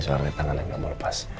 suara tangan gak mau lepas